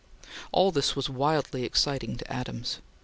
All this was wildly exciting to Adams.